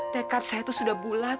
tekad saya itu sudah bulat